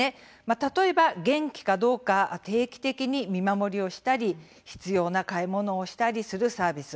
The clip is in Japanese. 例えば元気かどうか定期的に見守りをしたり必要な買い物をしたりするサービス。